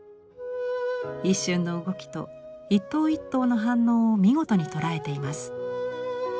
一瞬の動きと一頭一頭の反応を見事に捉えています。